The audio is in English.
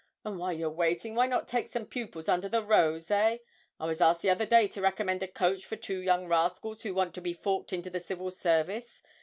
and while you're waiting, why not take some pupils under the rose, eh? I was asked the other day to recommend a coach to two young rascals who want to be forked into the Civil Service.